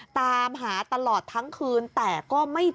ตามหาตลอดทั้งคืนแต่ก็ไม่เจอน้องธันวา